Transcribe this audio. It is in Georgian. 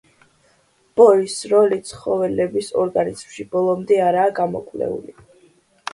ბორის როლი ცხოველების ორგანიზმში ბოლომდე არაა გამოკვლეული.